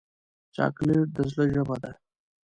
چاکلېټ د زړه ژبه ده.